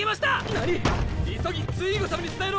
何⁉急ぎツイーゴ様に伝えろ！